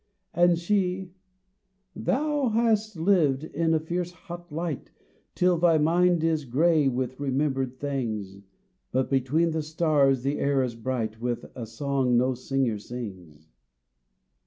And she :" Thou hast lived in the fierce hot light Till thy mind is gray with remembered things, But between the stars the air is bright With a song no singer sings.